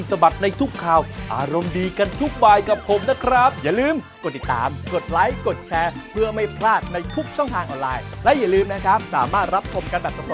สวัสดีครับคุณผู้ชม